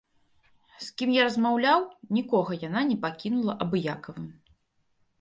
З кім я размаўляў, нікога яна не пакінула абыякавым.